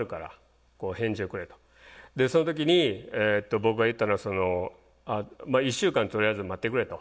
その時に僕が言ったのは「１週間とりあえず待ってくれ」と。